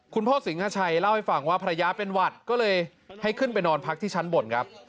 พ่อสิงหาชัยเล่าให้ฟังว่าภรรยาเป็นหวัดก็เลยให้ขึ้นไปนอนพักที่ชั้นบนครับ